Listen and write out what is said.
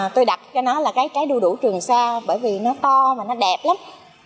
tôi đặt cho nó là cái trái đu đủ trường xa bởi vì nó to và nó đẹp lắm